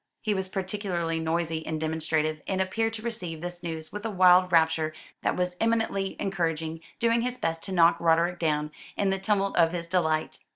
He was particularly noisy and demonstrative, and appeared to receive this news with a wild rapture that was eminently encouraging, doing his best to knock Roderick down, in the tumult of his delight.